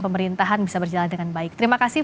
pemerintahan bisa berjalan dengan baik terima kasih